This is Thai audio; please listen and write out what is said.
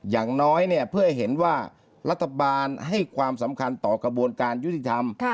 อย่างน้อยเนี่ยเพื่อให้เห็นว่ารัฐบาลให้ความสำคัญต่อกระบวนการยุติธรรม